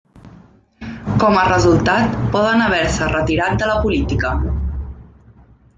Com a resultat, poden haver-se retirat de la política.